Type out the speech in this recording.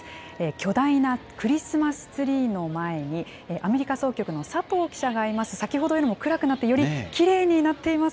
巨大なクリスマスツリーの前にアメリカ総局の佐藤記者がいます。